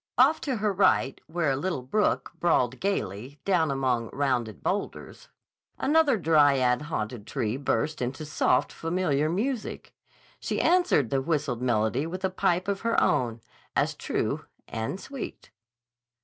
Off to her right, where a little brook brawled gayly down among rounded boulders, another dryad haunted tree burst into soft, familiar music. She answered the whistled melody with a pipe of her own, as true and sweet.